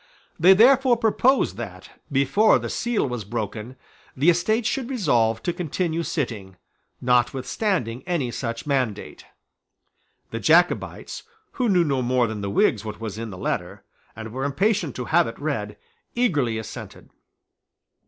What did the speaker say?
They therefore proposed that, before the seal was broken, the Estates should resolve to continue sitting, notwithstanding any such mandate. The Jacobites, who knew no more than the Whigs what was in the letter, and were impatient to have it read, eagerly assented.